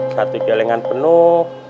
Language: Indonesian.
satu jelengan penuh